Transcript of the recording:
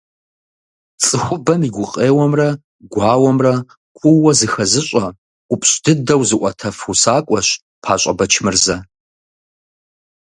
ЦӀыхубэм и гукъеуэмрэ гуауэмрэ куууэ зыхэзыщӀэ, ӀупщӀ дыдэу зыӀуэтэф усакӀуэщ ПащӀэ Бэчмырзэ.